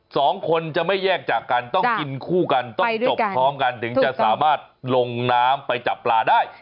สองคนจะไม่แยกจากกันต้องกินคู่กันต้องจบพร้อมกันถึงจะสามารถลงน้ำไปจับปลาได้